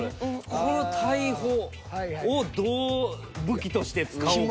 この大砲をどう武器として使おうか。